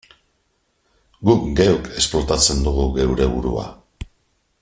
Guk geuk esplotatzen dugu geure burua.